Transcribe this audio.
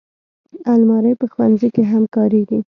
الماري په ښوونځي کې هم کارېږي